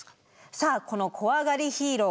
さあこの「こわがりヒーロー」